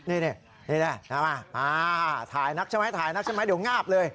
นี่นี่แหละใช่ไหมถ่ายนักใช่ไหมถ่ายนักใช่ไหมเดี๋ยวงาบเลย